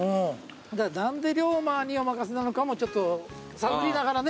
何で竜馬におまかせなのかもちょっと探りながらね。